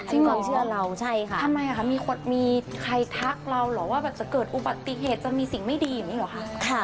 มีความเชื่อเราใช่ค่ะทำไมอ่ะค่ะมีคนมีใครทักเราหรอว่าจะเกิดอุบัติเหตุจะมีสิ่งไม่ดีมั้ยหรอค่ะ